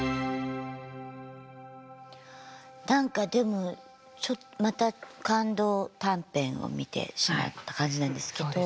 何かでもまた感動短編を見てしまった感じなんですけど。